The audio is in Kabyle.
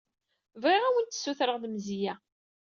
Bɣiɣ ad awent-ssutreɣ lemzeyya.